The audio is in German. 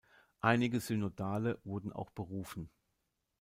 Einige Synodale wurden auch berufen.